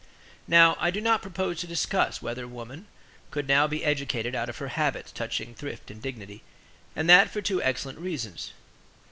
Now I do not propose to discuss whether woman could now be educated out of her habits touching thrift and dignity; and that for two excellent reasons.